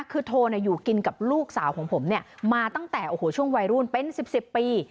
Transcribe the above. คือโทอยู่กินกับลูกสาวของผมมาตั้งแต่ช่วงวัยรุ่นเป็น๑๐ปี